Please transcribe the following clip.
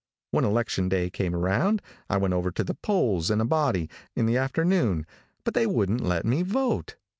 "When election day came around, I went over to the polls in a body, in the afternoon, but they wouldn't let me vote.